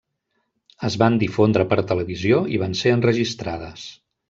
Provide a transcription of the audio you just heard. Es van difondre per televisió i van ser enregistrades.